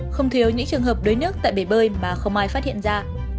không thiếu những trường hợp đuối nước tại bể bơi mà không ai phát hiện ra